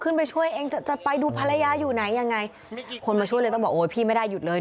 ขึ้นไปช่วยจอดไปดูภรรยาอยู่ไหนยังไงคนมาช่วยได้บอกว่าพี่ไม่ได้หยุดเลย